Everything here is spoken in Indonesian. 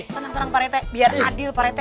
tenang tenang pak rete biar adil pak rete